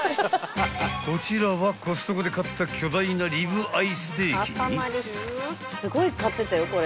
［こちらはコストコで買った巨大なリブアイステーキに］